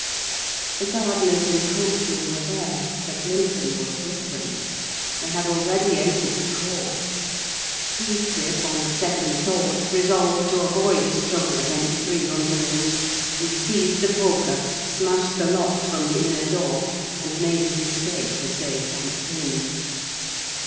The gardeners and coachman were there: but Linton was with them. They had already entered the court. Heathcliff, on the second thoughts, resolved to avoid a struggle against three underlings: he seized the poker, smashed the lock from the inner door, and made his escape as they tramped in.